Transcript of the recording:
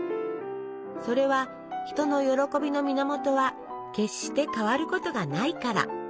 それは人の喜びの源は決して変わることがないから。